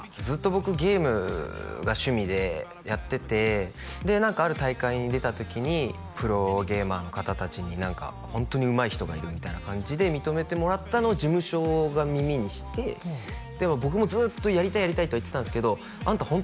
ずっと僕ゲームが趣味でやっててである大会に出た時にプロゲーマーの方達にホントにうまい人がいるみたいな感じで認めてもらったのを事務所が耳にして僕もずっとやりたいやりたいとは言ってたんですけどあんた